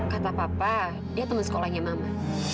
kata papa dia teman sekolahnya mama